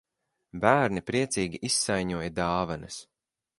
Bērni priecīgi izsaiņoja dāvanas.